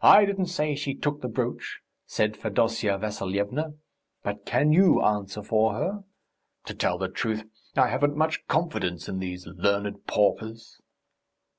"I don't say she took the brooch," said Fedosya Vassilyevna, "but can you answer for her? To tell the truth, I haven't much confidence in these learned paupers."